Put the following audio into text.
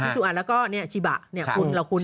ชิซุอันแล้วก็ชิบะคุ้นแล้วคุ้นนะ